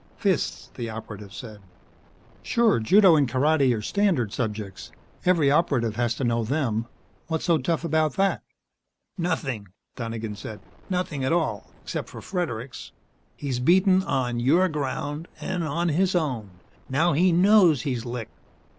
"Fists," the Operative said. "Sure Judo and Karate are standard subjects every Operative has to know them. What's so tough about that?" "Nothing," Donegan said. "Nothing at all except for Fredericks. He's been beaten on your ground, and on his own. Now he knows he's licked.